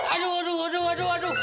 aduh aduh aduh